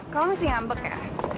kamu masih ngambek ya